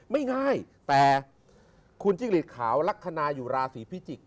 ไม่ง่ายแต่คุณจิ้งหลีดขาวลักษณะอยู่ราศีพิจิกษ